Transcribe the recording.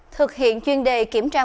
thực hiện chuyên đề kiểm tra